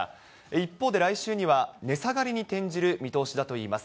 一方で来週には、値下がりに転じる見通しだといいます。